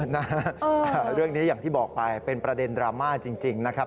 นะฮะเรื่องนี้อย่างที่บอกไปเป็นประเด็นดราม่าจริงนะครับ